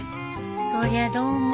そりゃどうも。